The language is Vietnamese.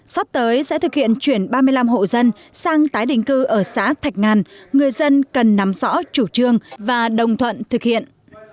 sắp tới sẽ thực hiện chuyển ba mươi năm hộ dân sang tái đình cư ở xã thạch ngàn người dân cần nắm rõ chủ trương và đồng thuận thực hiện